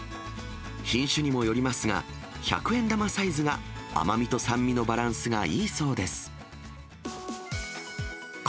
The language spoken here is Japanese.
品種にもよりますが、百円玉サイズが、甘みと酸味のバランスがいいそうです。